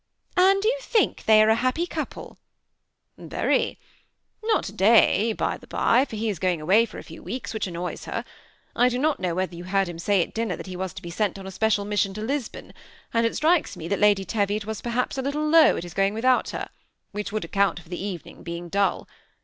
''^ And you think they are a happy couple ?"•^ Very,* * not to day, by the by, for he is going away for a few weeks, which annoys her. I do not know whether you heard him say at dinner that he was to be sent on a special mission to Lisbon ; and it strikes me that Lady Teviot was, perhaps, a little low at his going without her, which would account for the evening be^ ing dull.